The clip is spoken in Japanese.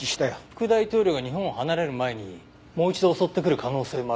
副大統領が日本を離れる前にもう一度襲ってくる可能性もあるかもしれません。